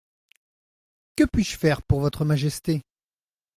Que puis-je faire pour Votre Majesté ?